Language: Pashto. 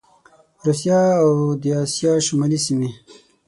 روسیه او د اسیا شمالي سیمي